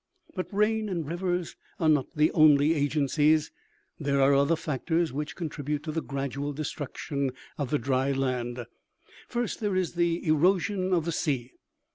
" But rain and rivers are not the only agencies ; there are other factors which contribute to the gradual destruc tion of the dry land :" First, there is the erosion of the sea.